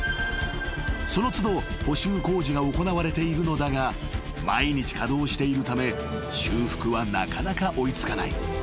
［その都度補修工事が行われているのだが毎日稼働しているため修復はなかなか追い付かない］